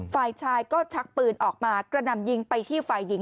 ฝ่ายชายก็ชักปืนออกมากระหน่ำยิงไปที่ฝ่ายหญิง